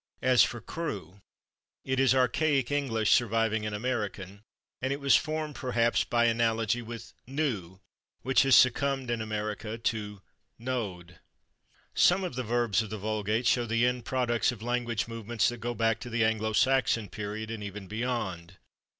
As for /crew/, it is archaic English surviving in American, and it was formed, perhaps, by analogy with /knew/, which has succumbed in American to /knowed/. Some of the verbs of the vulgate show the end products of language movements that go back to the Anglo Saxon period, and even beyond.